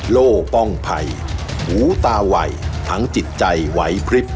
โล่ป้องภัยหูตาไวทั้งจิตใจไหวพลิบ